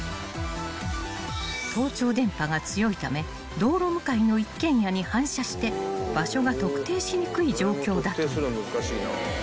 ［盗聴電波が強いため道路向かいの一軒家に反射して場所が特定しにくい状況だという］